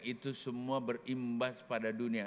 itu semua berimbas pada dunia